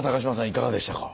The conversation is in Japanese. いかがでしたか？